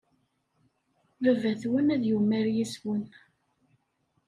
Baba-twen ad yumar yes-wen.